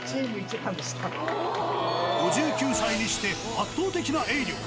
５９歳にして、圧倒的な泳力。